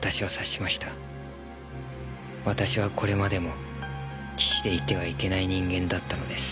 私はこれまでも棋士でいてはいけない人間だったのです。